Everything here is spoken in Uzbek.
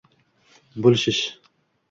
Bo‘lishish.